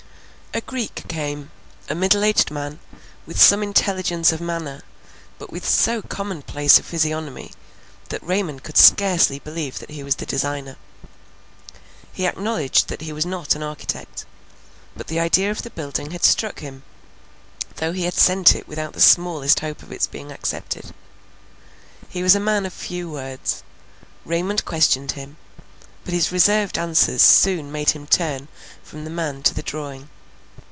A Greek came. A middle aged man, with some intelligence of manner, but with so common place a physiognomy, that Raymond could scarcely believe that he was the designer. He acknowledged that he was not an architect; but the idea of the building had struck him, though he had sent it without the smallest hope of its being accepted. He was a man of few words. Raymond questioned him; but his reserved answers soon made him turn from the man to the drawing.